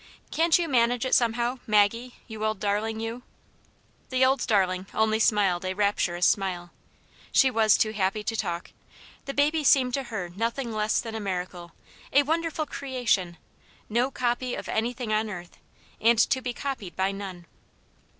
Can't you manage it somehow, Maggie, you old darling, you }" The " old darling " only smiled a rapturous smile. She was too happy to talk. The baby seemed to her nothing less than a miracle, a wonderful creation, no copy of anything on earth, and to be copied by none.